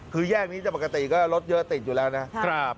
คือแยกนี้จะปกติก็รถเยอะติดอยู่แล้วนะครับ